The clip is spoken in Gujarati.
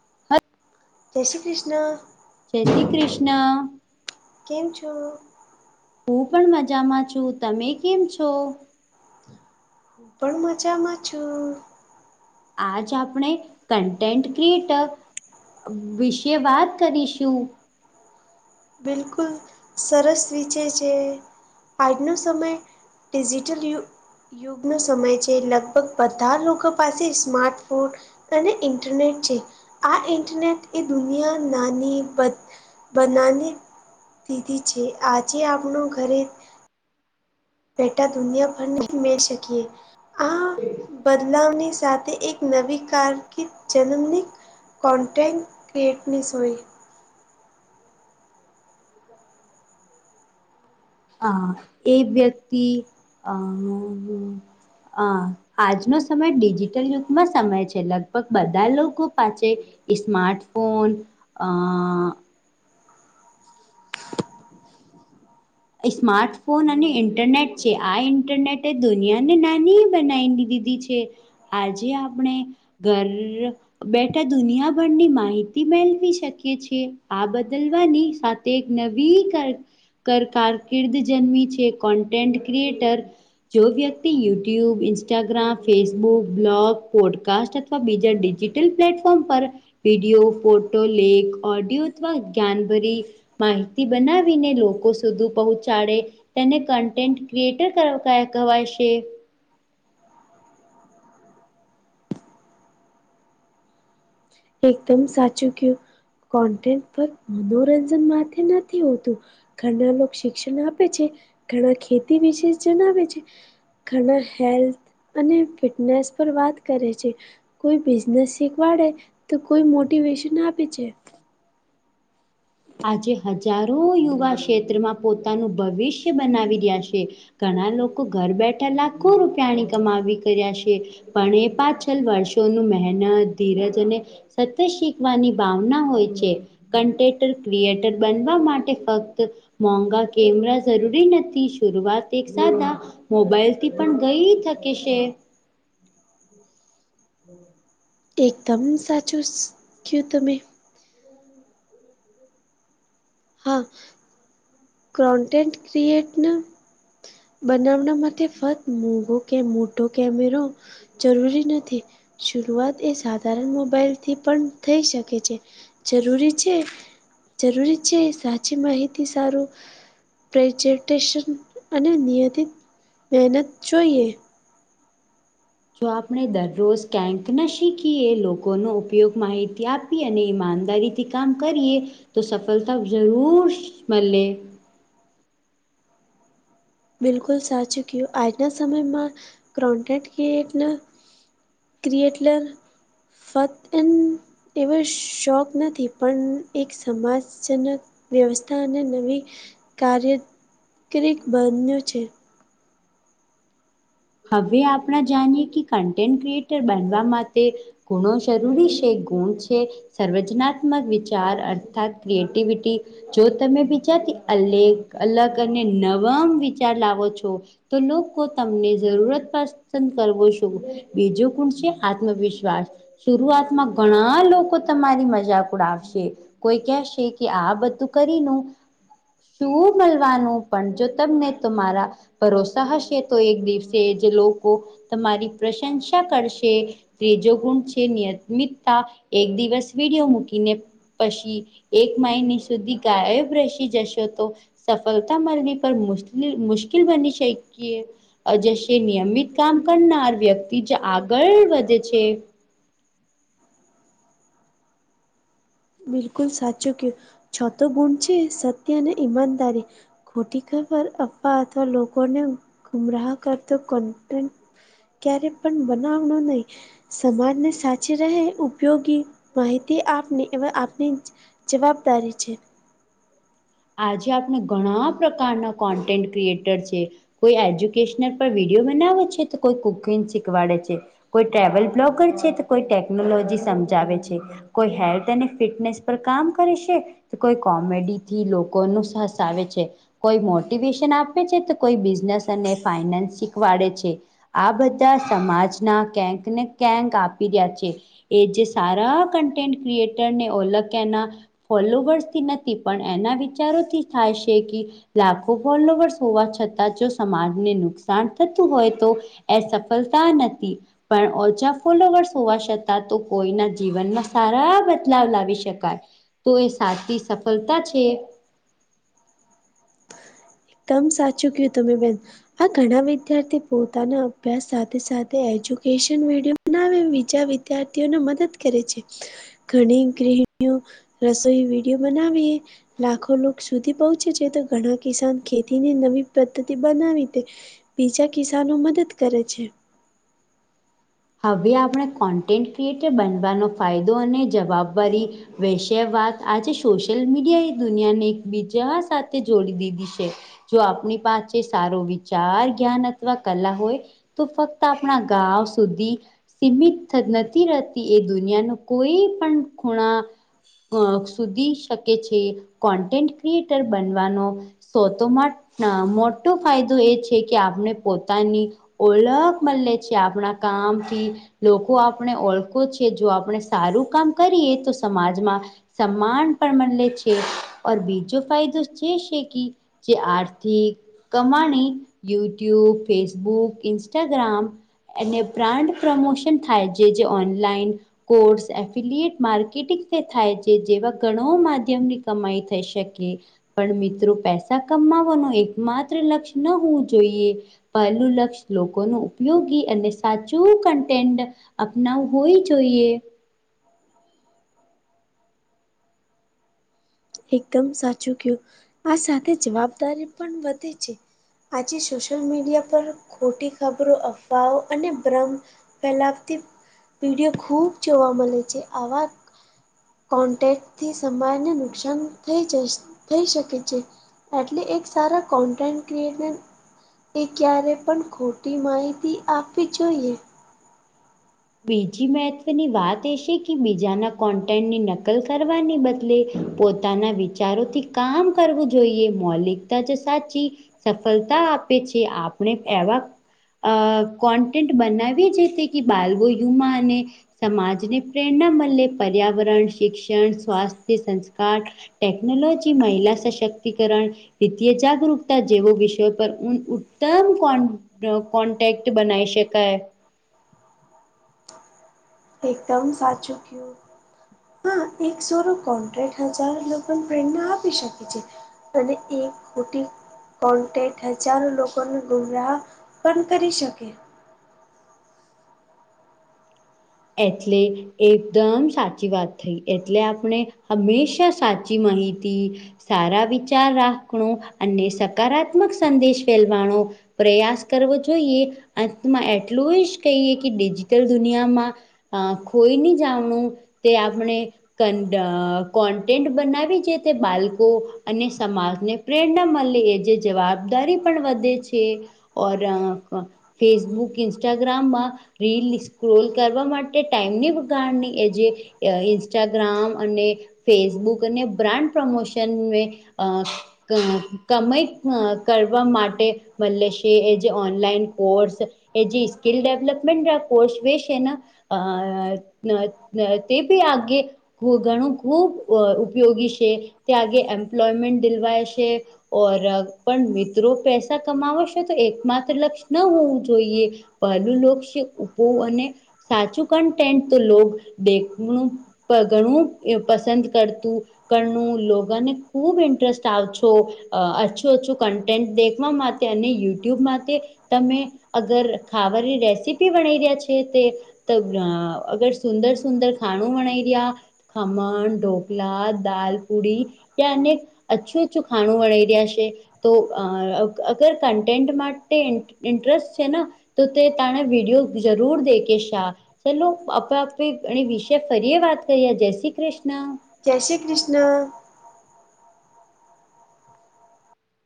[inaudible] જય શ્રી કૃષ્ણ. જય શ્રી કૃષ્ણ. કેમ છો? હું પણ મજામાં છું. તમે કેમ છો? હું પણ મજામાં છું. આજ આપણે કન્ટેન્ટ ક્રિએટર અમ્મ વિશે વાત કરીશું. બિલકુલ. સરસ વીચેય છે. આજનો સમય ડિજિટલ યુગ યુગ નો સમય છે. લગભગ બધા જ લોકો પાસે સ્માર્ટ ફોન અને ઇન્ટરનેટ છે. આ ઇન્ટરનેટ એ દુનિયા નાની બધ બનાવી દીધી છે. આજે આપનું ઘરે બેટા દુનિયાભર નહીં મેળ શકીએ. આ બદલાવની સાથે એક નવી કારકિર્દ જન્મની કોન્ટેન્ટ ક્રિએટની સુવિ [inaudible] હા. એ વ્યક્તિ અહ અહ આજનો સમય ડિજિટલ યુગનો સમય છે. લગભગ બધા લોકો પાસે ઇસ્માર્ટ ફોન અહ ઈસ્માર્ટ ફોન અને ઇન્ટરનેટ છે. આ ઇન્ટરનેટે દુનિયાને નાની બનાઇ દીધી ધી છે. આજે આપણે ઘર બેઠા દુનિયાભરની માહિતી મેલવી શકીએ છીએ. આ બદલવાની સાથ તે એક નવી કર કર કારકિર્દ જન્મી છે. કોન્ટેન્ટ ક્રિએટર જો વ્યક્તિ YouTube, Instagram, Facebook, vlog, podcast અથ વા બીજા ડિજિટલ પ્લેટફોર્મ પર વિડીયો, ફોટો, લેખ, ઓડિયો અથવા જ્ઞાનભરી માહિતી બનાવીને લોકો સુ સુધી પહોંચાડે, તેને કન્ટેન્ટ ક્રિએટર ક કહ કહેવાય શે. એકદમ સાચું ક્યું. કોન્ટેન્ટ પર મનોરંજન માટે નથી હોતું. ઘના લોક શિક્ષણ આપે છે, ઘણા ખેતી વિશે જણાવે છે. ઘના હેલ્થ અને ફિટનેસ પર વાત કરે છે. કોઈ બિઝનેસ શીખવાડે, તો કોઈ મોટિવેશન આપે છે. આજે હજારો યુવા ક્ષેત્રમાં પોતાનું ભવિષ્ય બનાવી રહ્યા છે. ઘના લોકો ઘર બેઠા લાખો રૂપિયાની કમાવી કર્યા સે. પણ એ પાછલ વર્ષોનું મહેનત, ધીરજ અને સતત શીખવાની ભાવના હોય છે. કન્ટેન્ટ તર ક્રિએટર બનવા માટે ફક્ત મોંઘા કેમરા જરૂરી નથી, શરૂઆત એક સાદા મોબાઈલ થી પણ ગઈ સકે સે. [inaudible] એકદમ સાચું સુ કયું તમે. હા ક્રોન્ટન્ટેન્ટ ક્રિએેટ ન બનાવના માટે ફત મોંઘો કે મોટો કેમેરો જરૂરી નથી શરૂઆત એ સાધારણ મોબાઈલથી પણ થઈ શકે છે. જરૂરી છે. જરૂરી છે સાચી માહિતી સારું પ્રેજન્ટેશન અને નિયમિત મહેનત જોઈએ. જો આપણે દરરોજ કેંક ન શીકી એ લોકો ન ઉપયોગ માહિતી આપ પી અને ઈમાનદારીથી કામ કરીએ તો સફલતા જરૂર મલે. બિલકુલ સાચું ક્યું આજના સમયમાં ક્રન્ટેક્ટ ક્રિએટના ક્રિએેટલ ફત એન એવા શોખ નથી પણ એક સમાજ જનક વ્યવસ્થા અને નવી કાર્યત કીરી બન્યું છે. અવે આપણા જાણીએ કે કન્ટેન્ટ ક્રિએટર બનવા માટે ગુણો જરૂરી છે ગુણ છે સર્વચનાત્મક વિચાર અર્થાત ક્રિએટિવિટી. જો તમે બીજાથી અલેગ અલગ અને નવમ વિચાર લાવો છો. તો લોકો તમને [unintelligible] બીજો ગુણ છે આત્મ વિશ્વાસ શુરૂઆતમાં ઘણા લોકો તમારી મજાકડાવશે કોઈ કેશે કે આ બધું કરીનુ શું મળવાનું પણ જો તમને તમારા ભરોસા હશે તો એક દિવસ તે જે લોકો તમારી પ્રશંસા કરશે. ત્રીજો ગુણ છે નિયમિતતા એક દિવસ વિડીયો મૂકીને પશી એક માઈની સુધી ગાયબ રસી જશો તો સફળતા મળવી પણ મુશ્કેલ બની શકીએ. નિયમિત કામ કરનાર વ્યક્તિ જ આગળ વધે છે. બિલકુલ સાચું કું છતો ગુણ છે સત્ય અને ઈમાનદારી ખોટી ખબર આપવા અથવા લોકોને ગુમરાહ કરતો કોન્ટ ક્યારે પણ બનાવનું નહીં. સમાજને સાચી રહે ઉપયોગી માહિતી આપને. એવા આપની જ જવાબદારી છે. આજે આપણે ઘણા પ્રકારના કોન્ટેન્ટ ક્રિએટર છે. કોઈ એજ્યુકેશનલ પર વિડીિયો બનાવે છે તો કોઈ કુકિંગ શીખવાડે છે. કોઈ ટ્રવલ બ્લોગર છે તો કોઈ ટેકનોલોજી સમજાવે છે. કોઈ અને હેલ્થ અને ફિટનેસ કામ કરે છે કોઈ કોમેડી થી લોકો ન સાસ આવે છે. કોઈ મોટિવેશન આપે છે તો કોઈ બીજનેસ અને ફાઈનાન્સ શીખવાડે છે. આ બધા સમાજના કંક ને કંક આપી રહ્યા છે. એ જે સારા કન્ટેન્ટ ક્રિએટરને ઓલક્યાના ફોલોવર્સ થી નથી. પણ એના વિચારોથી થાય છે કે લાખો ફોલોવર્સ હોવા છતાં જો સમાજને નુકસાન થતું હોય તો એ સફલતા નથી. પણ ઓછા ફોલોવર્સ હોવા છતાં તો કોઈના જીવનમાં સારા બદલાવ લાવી શકાય. તો એ સાચી સફલતા છે. તમ સાચુ કીધુ તમે બેન. આ ઘણા વિદ્યાર્થી પોતાના અભ્યાસ સાથે સાથે એજ્યુકેશન મડિયમ તેના બી બીજા વિદ્યાર્થીઓને મદદ કરે છે ઘણી ગૃહણીઓ રસોઈ વિડીયો બનાવીએ લાખો લોકો સુધી પહોંચે છે તો ઘણા કિસાન ખેતીને નવી પદ્ધતિ બનાવી તે બીજા કિસાનો મદદ કરે છે. હવે આપડે કોન્ટેન્ટ ક્રિએટર બનવાનો ફાયદો અને જવાબદારી વિષય વાત આજે સોશિયલ મીડિયા એ દુનિયાને એકબીજા સાથે જોડી દીધી છે. જો આપની પાસે સારો વિચાર જ્ઞાન અથવા કલા હોય તો ફક્ત આપણા ગાવસ સુધી સીમિત નથી થ રહેતી એ દુનિયા ની કોઈ પણ ખૂણા અહ સુધી શકે છે કોન્ટેન્ટ ક્રિએટર બનવાનો સો તોમાં અહ મોટો ફાયદો એ છે કે આપણે પોતાની ઓલખ મલે છે આપણા કામથી લોકો આપણે ઓળખો છે જો આપણે સારૂ કામ કરીએ સમાજમાં સમાન પણ મલે છે ઔર બીજો ફાયદો જે છે કી જે આર્થીક કમાણી યુટ્યુબ ફેસબુક ઇન્સ્ટાગ્રામ અને બ્રાન્ડ પ્રમોશન થાય જે જે ઓનલાઈન કોર્સ એફિલયટ માર્કેટિંગથી થાય છે જેવા ઘણો માધ્યમની કમાઈ થઈ શકે. પણ મિત્રો પૈસા કમાવાનો એક માત્ર લક્ષ્ય હું જોઇએ પહેલું લક્ષ્ય લોકો નું ઉપયોગી અને સાચું કન્ટેન્ટ અપનાવ હોય જોઈએ એકદમ સાચું કયું આ સાથે જવાબદારી પણ વધે છે. આજે સોશિયલ મીડિયા પર ખોટી ખબરો અફવાઓ અને ભ્રમ પેલાતી પીડીયો ખૂબ જોવા મળે છે આવા કોન્ટેક્ટથી સમાજને નુકસાન થઈ જ થઈ શકે છે. એટલે એક સારા કોન્ટેન્ટ ક્રિએટને એ ક્યારે પણ ખોટી માહિતી આપવી જોઈએ. બીજી મહત્વની વાત એ છે કે બીજાના કોન્ટેન્ટની નકલ કરવાને બદલે પોતાના વિચારોથી કામ કરવું જોઈએ મૌલિકતા તો સાચી સફલતા આપે છે આપણે એવા અહ કોન્ટેકન્ટ બનાવી જે તે કે બાલવો યુમા અને સમાજને પ્રેરણા મલે પર્યાવરણ શિક્ષણ સ્વાસ્થ્ય સંસ્કાર ટેકનોલોજી મહિલા સશક્તિકરણ તેથીયે જાગૃકતા જેવો વિષયો પર ઉત્તમ કોણ નો કોન્ટેક્ટ બનાવી શકાય એકદમ સાચું કયું હા એક સારો કોન્ટક્ટ હજાર લોકોને પ્રેરણા આપી શકે છે. તને એક ખોટી કોન્ટે્ટ હજારો લોકોનો ગુમરાહ પણ કરી શકે એટલે એકદમ સાચી વાત થઈ એટલે આપણે હંમેશા સા ચી માહિતી, સારા વિચાર રાખવુ અને સ કાત્મક સંદેશ ફેલવાનો પ્રયાસ કરવો જોઈએ. અંતમાં એટલું જ કહીએ કે ડિજિટલ દુનિયામાં હ ખોઈનું જાવાનું તે આપણે કનટ કોન્ટેન્ટ બનાવી છે તે બાલકો અને સમાજને પ્રેરણા મળે એ જે જવાબદારી પણ વધે છે. ઓર ફેસબુક ઇન્સ્ટાગ્રામમાં રીલ સ્ક્રોલ કરવા મા કે ટાઈમની કારની એ જે ઇન્સ્ટાગ્રામ અને ફેસબુક અને બ્રાન્ડ પ્રમોશનને અ અ કમાઈ [unintelligible] કરવા માટે મલે શે એ જે ઓનલાઈન કોર્સ એ જે સ્કીલ ડેવલપમેન્ટ કોર્સ વેશ એન અ નં નય નય તે બી આગે ખૂદણું ખૂબ ઉપયોગી છે તે આગે એમ્પ્લોયમેન્ટ દિલવાય શે ઓર પણ મિત્રો પૈસા કમાવશે તો એકમાત્ર લક્ષ્ય ન હોવું જોઈએ પહેલું લોક છે ઉપો અને સાચું કન્ટેન્ટ તો લોગ દેખણું ખઘણું પસંદ કરતું કરણું લોગિને ખુબ ઇન્ટરેસ્ટ આવ છો. અ અચ્છું અચ્છું કન્ટેન્ટ દેખવા માટે અને યુટ્યુબ માટે તમે અગર ખવાની રેસીપી વનાવી રહ્યા છે તે તો અગર સુંદર-સુંદર ખાણું બણાવી રયા ખમણ, ઢોકલા, દાલ, પૂડી ત્યાં અનેક અ અચ્છું અચ્છું ઓછું ખાણું વણી રહ્યા શે તો અ અગર કન્ટેન્ટ માટે ઇન્ટરેસ્ટ છે ને. તો તે તને વિડયો જરૂર દે કે શા ચલો, આપ આપે એ વિષે ફરીએ વાત કરીએ જય શ્રી કૃષ્ણ. જય શ્રી કૃષ્ણ.